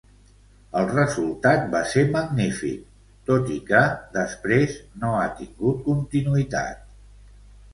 El resultat va ser magnífic, tot i que després no ha tingut continuïtat.